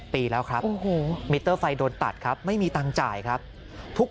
ปีแล้วครับมิเตอร์ไฟโดนตัดครับไม่มีตังค์จ่ายครับทุก